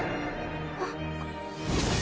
あっ。